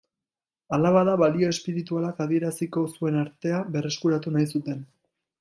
Hala bada, balio espiritualak adieraziko zuen artea berreskuratu nahi zuten.